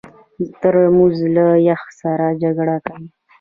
ترموز له یخ سره جګړه کوي.